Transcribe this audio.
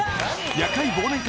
「夜会」